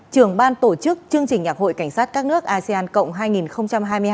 trưởng ban tổ chức chương trình nhạc hội cảnh sát các nước asean cộng hai nghìn hai mươi hai